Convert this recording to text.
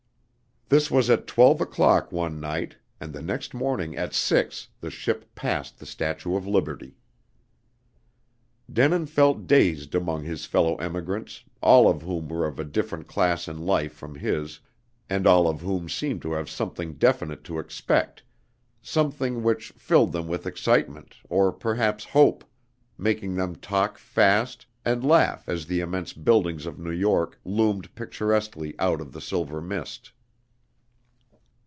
This was at twelve o'clock one night, and the next morning at six the ship passed the Statue of Liberty. Denin felt dazed among his fellow emigrants, all of whom were of a different class in life from his, and all of whom seemed to have something definite to expect, something which filled them with excitement or perhaps hope, making them talk fast, and laugh as the immense buildings of New York loomed picturesquely out of the silver mist.